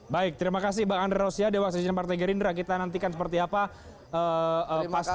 baik terima kasih pak andre rosiade wak senjata partai gerindra kita nantikan seperti apa pastinya